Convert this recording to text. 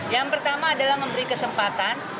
yang pertama adalah memberi kesempatan